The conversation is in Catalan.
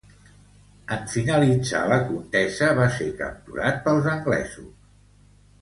En finalitzar la contesa, va ser capturat pels anglesos.